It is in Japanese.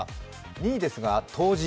２位ですが冬至。